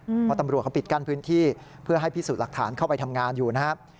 เพราะตำรวจเขาปิดกั้นพื้นที่เพื่อให้พิสูจน์หลักฐานเข้าไปทำงานอยู่นะครับ